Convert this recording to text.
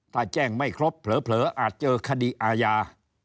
ถ้าแจ้งไม่ครบเผลออาจเจอคดีอาญา